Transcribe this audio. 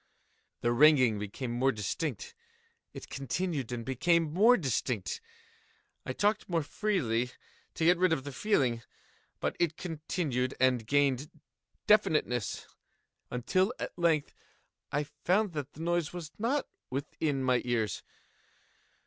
The ringing became more distinct:—it continued and became more distinct: I talked more freely to get rid of the feeling: but it continued and gained definiteness—until, at length, I found that the noise was not within my ears.